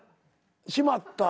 閉まった。